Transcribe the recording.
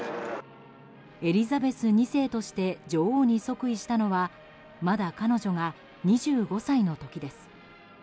エリザベス２世として女王に即位したのはまだ彼女が２５歳の時です。